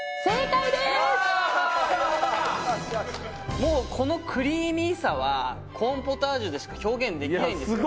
もうこのクリーミーさはコーンポタージュでしか表現できないんですよ。